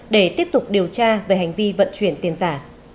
để tiếp tục điều tra về hành vi vận chuyển tiền giả